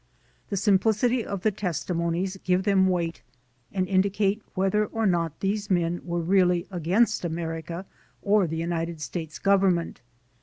The simplicity of the testimonies give them weight and indicate whether or not these men were really against America or the United States Government.